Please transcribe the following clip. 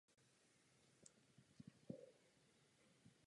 V současné době jsou vyráběny a provozovány společností United Launch Alliance.